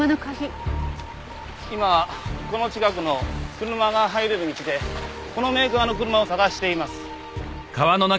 今この近くの車が入れる道でこのメーカーの車を探しています。